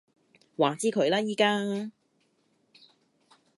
話之佢啦而家